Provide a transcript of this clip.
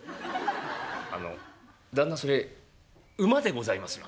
「あの旦那それ馬でございますよ」。